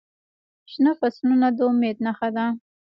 شنه فصلونه د امید نښه ده.